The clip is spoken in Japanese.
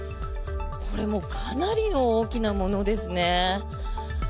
これ、もうかなりの大きなものですね。